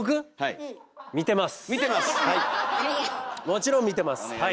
もちろん見てますはい。